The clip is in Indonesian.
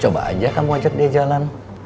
coba aja kamu ajat dia jalan